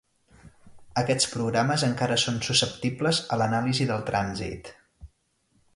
Aquests programes encara són susceptibles a l'anàlisi del trànsit.